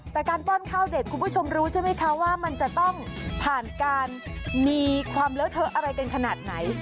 แต่การป้อนข้าวเด็กคุณผู้ชมรู้ใช่ไหมคะว่ามันจะต้องผ่านการมีความเลอะเทอะอะไรกันขนาดไหน